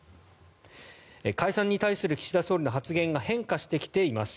解散に対する岸田総理の発言が変化してきています。